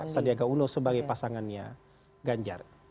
sandiaga uno sebagai pasangannya ganjar